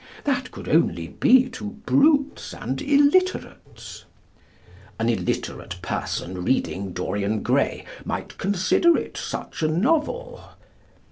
That could only be to brutes and illiterates. An illiterate person reading "Dorian Gray" might consider it such a novel?